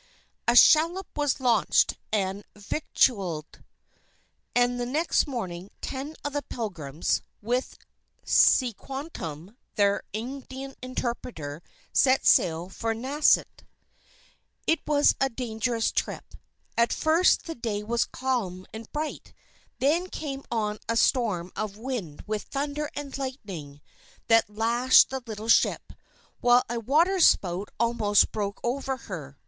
A shallop was launched and victualed; and the next morning ten of the Pilgrims, with Tisquantum, their Indian interpreter, set sail for Nauset. It was a dangerous trip. At first the day was calm and bright, then came on a storm of wind with thunder and lightning, that lashed the little ship; while a waterspout almost broke over her.